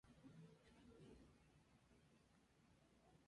A Luisa no la vio durante todo el otoño.